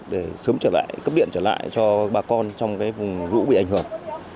để sớm trở lại cấp điện trở lại cho bà con trong vùng lũ bị ảnh hưởng